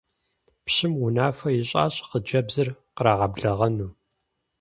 Пщым унафэ ищӀащ хъыджэбзыр кърагъэблэгъэну.